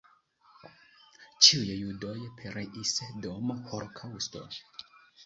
Ĉiuj judoj pereis dum holokaŭsto.